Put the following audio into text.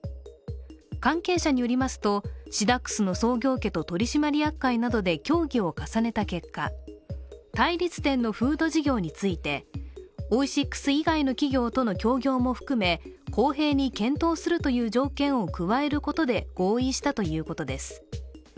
関係者によりますと、シダックスの創業家という取締役会などで協議を重ねた結果、対立点のフード事業についてオイシックス以外の企業との協業も含め、公平に検討するという条件を加えることで合意したということです。